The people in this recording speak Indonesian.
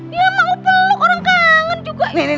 dia mau ngumpul lo orang kangen juga